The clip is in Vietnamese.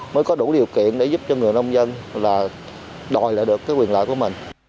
mới có đủ điều kiện để giúp cho người nông dân đòi lại được quyền lợi của mình